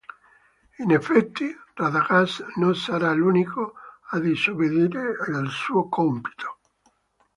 In effetti, Radagast non sarà l'unico a disobbedire al suo compito.